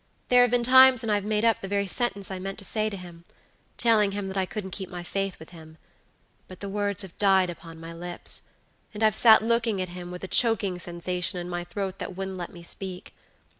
There have been times when I've made up the very sentence I meant to say to him, telling him that I couldn't keep my faith with him; but the words have died upon my lips, and I've sat looking at him, with a choking sensation, in my throat that wouldn't let me speak.